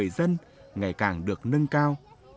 đời sống của người dân ngày càng được nâng cao